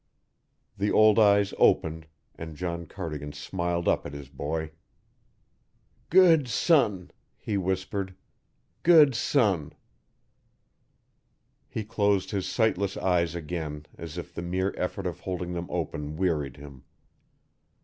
The old eyes opened, and John Cardigan smiled up at his boy. "Good son," he whispered, "good son!" He closed his sightless eyes again as if the mere effort of holding them open wearied him.